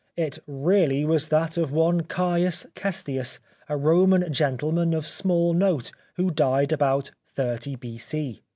It really was that of one Caius Cestius, a Roman gentleman of small note who died about 30 B.C."